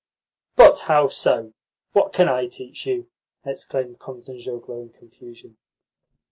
"But how so? What can I teach you?" exclaimed Kostanzhoglo in confusion.